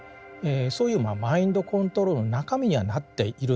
そういうまあマインドコントロールの中身にはなっているんですね。